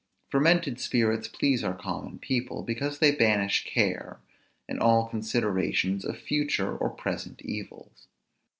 Fermented spirits please our common people, because they banish care, and all consideration of future or present evils.